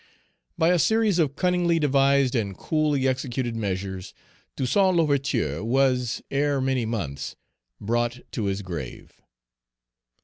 By a series of cunningly devised and coolly executed measures, Toussaint L'Ouverture was, ere many months, brought to his grave.